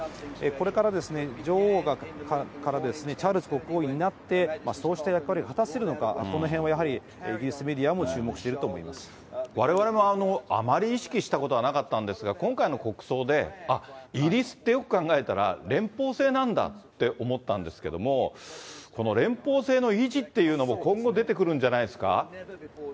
これから女王からチャールズ国王になって、そうした役割を果たせるのか、このへんをやはり、イギリスメディアも注目していると思われわれもあまり意識したことはなかったんですが、今回の国葬で、あっ、イギリスってよく考えたら、連邦制なんだって思ったんですけども、連邦制の維持っていうのも、今後、出てくるんじゃないですか。